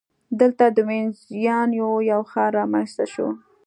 دلته د وینزیانو یو ښار رامنځته شو.